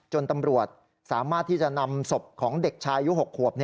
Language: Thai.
ตำรวจสามารถที่จะนำศพของเด็กชายอายุ๖ขวบ